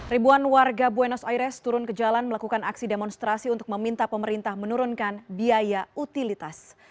ribuan warga buenos aires turun ke jalan melakukan aksi demonstrasi untuk meminta pemerintah menurunkan biaya utilitas